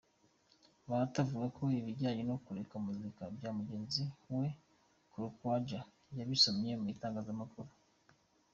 Bahati avuga ko ibijyanye no kureka muzika bya mugenzi we Croidja yabisomye mu itangazamakuru.